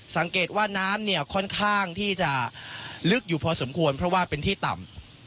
สังเกตว่าน้ำเนี่ยค่อนข้างที่จะลึกอยู่พอสมควรเพราะว่าเป็นที่ต่ำ